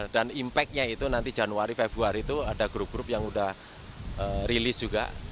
dan impact nya itu nanti januari februari itu ada grup grup yang sudah rilis juga